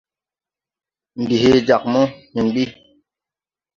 Ndi hee jag mo, hȩn ɓi.